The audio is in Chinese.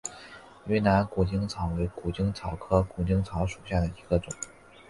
云南谷精草为谷精草科谷精草属下的一个种。